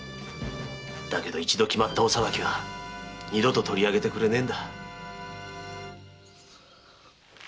だけど一度決まったお裁きは二度と取上げてくれねえんだ。